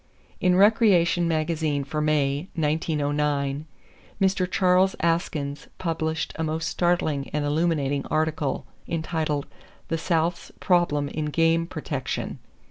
In Recreation Magazine for May, 1909, Mr. Charles Askins published a most startling and illuminating article, entitled "The South's Problem in Game Protection."